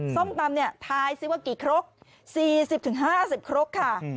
ส้มตำเนี่ยท้ายซิว่ากี่ครกสี่สิบถึงห้าสิบครกค่ะ